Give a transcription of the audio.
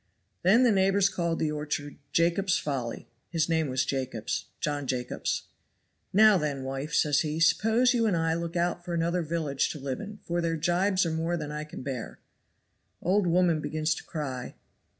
Then the neighbors called the orchard 'Jacobs' Folly;' his name was Jacobs John Jacobs. 'Now then, wife,' says he, 'suppose you and I look out for another village to live in, for their gibes are more than I can bear.' Old woman begins to cry.